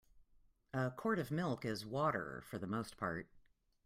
A quart of milk is water for the most part.